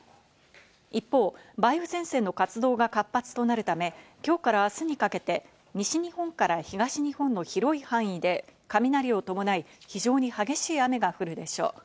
一方、梅雨前線の活動が活発となるため、きょうからあすにかけて、西日本から東日本の広い範囲で雷を伴い非常に激しい雨が降るでしょう。